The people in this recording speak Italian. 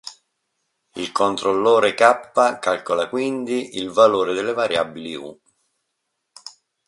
Il controllore "K" calcola quindi il valore delle variabili "u".